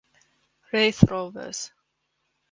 Raith Rovers